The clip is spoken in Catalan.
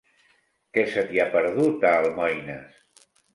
Què se t'hi ha perdut, a Almoines?